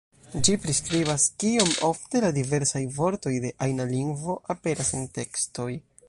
Ĝi priskribas kiom ofte la diversaj vortoj de ajna lingvo aperas en tekstoj.